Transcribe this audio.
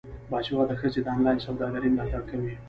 باسواده ښځې د انلاین سوداګرۍ ملاتړ کوي.